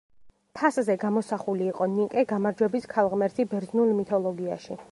თასზე გამოსახული იყო ნიკე, გამარჯვების ქალღმერთი ბერძნულ მითოლოგიაში.